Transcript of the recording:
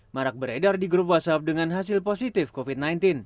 marak beredar di grup whatsapp dengan hasil positif covid sembilan belas